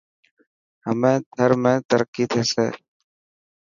همي ٿر ۾ ترقي ٿيسي.